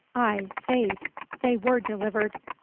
'I' faith, they were delivered.